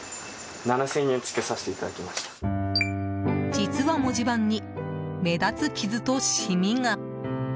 実は、文字盤に目立つ傷とシミが。